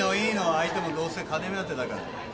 相手もどうせ金目当てだから。